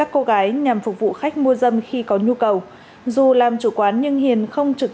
cô gái nhằm phục vụ khách mua dâm khi có nhu cầu dù làm chủ quán nhưng hiền không trực